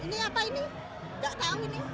ini apa ini gak tau ini